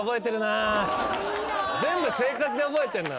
全部生活で覚えてんな。